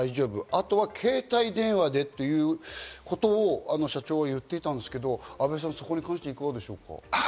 あとは携帯電話でということを社長が言っていたんですけど、安倍さん、いかがですか？